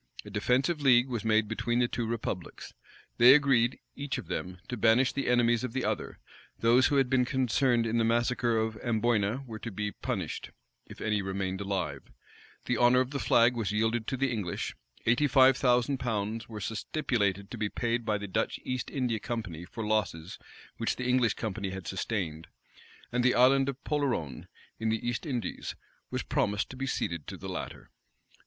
A defensive league was made between the two republics. They agreed, each of them, to banish the enemies of the other: those who had been concerned in the massacre of Amboyna were to be punished, if any remained alive; the honor of the flag was yielded to the English: eighty five thousand pounds were stipulated to be paid by the Dutch East India Company for losses which the English Company had sustained; and the Island of Polerone, in the East Indies was promised to be ceded to the latter.